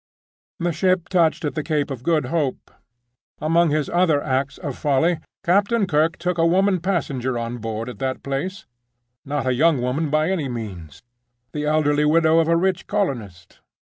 "The ship touched at the Cape of Good Hope. Among his other acts of folly Captain Kirke took a woman passenger on board at that place—not a young woman by any means—the elderly widow of a rich colonist.